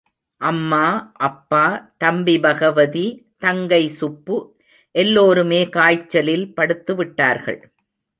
அம்மா, அப்பா, தம்பி பகவதி, தங்கை சுப்பு எல்லோருமே காய்ச்சலில் படுத்துவிட்டார்கள்.